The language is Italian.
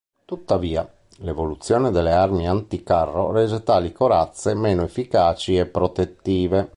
Tuttavia, l'evoluzione delle armi anticarro rese tali corazze meno efficaci e protettive.